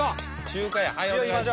中華やはいお願いします